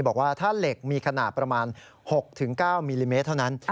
บอกว่าถ้าเหล็กมีขนาดประมาณ๖๙มิลลิเมตรเท่านั้น